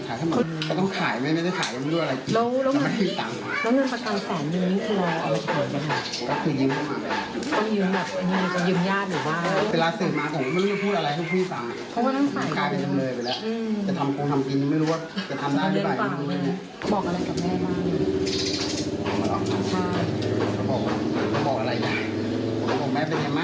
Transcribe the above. ค่ะมันกำลังใจดีอยู่ใช่ไหม